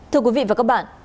thưa quý vị và các bạn